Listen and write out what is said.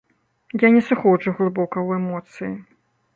Я не сыходжу глыбока ў эмоцыі.